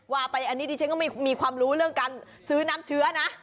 ว่าไปอันนี้ดิฉันก็ไม่มีความรู้เรื่องการซื้อน้ำเชื้อนะ